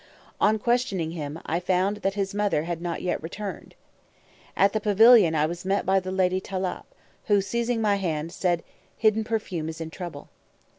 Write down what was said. On questioning him, I found his mother had not yet returned. At the pavilion I was met by the Lady Tâlâp, who, seizing my hand, said, "Hidden Perfume is in trouble."